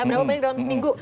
berapa banyak dalam seminggu